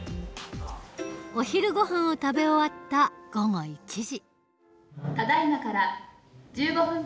お昼ごはんを食べ終わった午後１時。